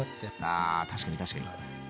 あ確かに確かに。